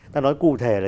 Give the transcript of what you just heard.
ta nói cụ thể là